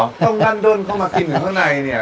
ต้องกั้นเดินเข้ามากินถึงข้างในเนี่ย